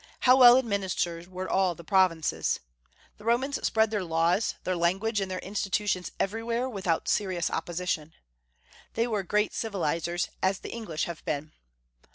How well administered were all the provinces! The Romans spread their laws, their language, and their institutions everywhere without serious opposition. They were great civilizers, as the English have been.